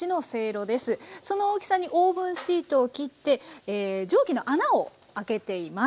その大きさにオーブンシートを切って蒸気の穴を開けています。